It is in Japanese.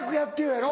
やろ。